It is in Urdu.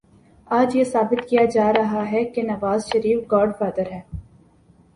آج یہ ثابت کیا جا رہا ہے کہ نوازشریف گاڈ فادر ہے۔